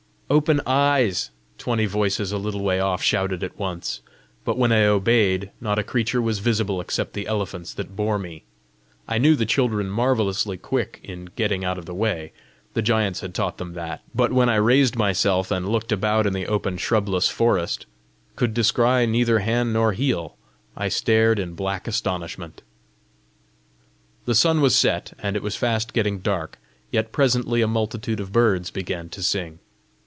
"Open eyes!" twenty voices a little way off shouted at once; but when I obeyed, not a creature was visible except the elephants that bore me. I knew the children marvellously quick in getting out of the way the giants had taught them that; but when I raised myself, and looking about in the open shrubless forest, could descry neither hand nor heel, I stared in "blank astonishment." The sun was set, and it was fast getting dark, yet presently a multitude of birds began to sing.